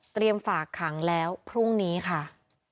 เตรียมฝากขังแล้วพรุ่งนี้ค่ะ